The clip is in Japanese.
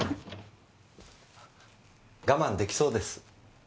我慢出来そうです。